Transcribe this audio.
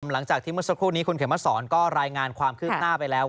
หลังจากที่เมื่อสักครู่นี้คุณเขมสอนก็รายงานความคืบหน้าไปแล้ว